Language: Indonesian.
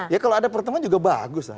ya kalau ada pertemuan juga bagus lah